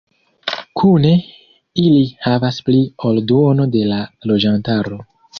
Kune ili havas pli ol duono de la loĝantaro.